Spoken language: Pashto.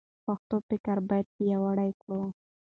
پښتو فکر باید پیاوړی کړو.